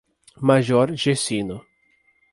Major Gercino